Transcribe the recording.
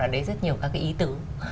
ở đấy rất nhiều các cái ý tứ